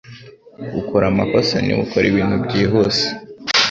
Ukora amakosa niba ukora ibintu byihuse.